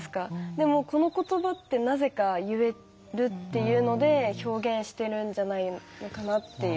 でもこの言葉ってなぜか言えるっていうので表現してるんじゃないのかなっていう。